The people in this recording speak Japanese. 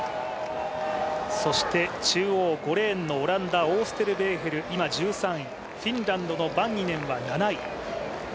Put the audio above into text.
そして中央、５レーンのオランダのオーステルベーヘル、今、１３位、フィンランドのバンニネンは７位。